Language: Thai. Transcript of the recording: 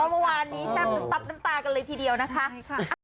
เมื่อวานนี้แซ่บน้ำตับน้ำตากันเลยทีเดียวนะคะใช่ค่ะ